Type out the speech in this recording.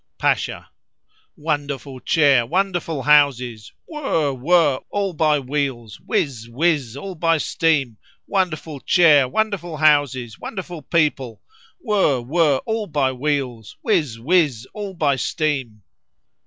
Pasha.—Wonderful chair! Wonderful houses!—whirr! whirr! all by wheels!—whiz! whiz! all by steam!—wonderful chair! wonderful houses! wonderful people!—whirr! whirr! all by wheels!—whiz! whiz! all by steam!